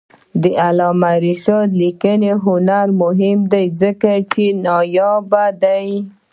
د علامه رشاد لیکنی هنر مهم دی ځکه چې نایابه دی.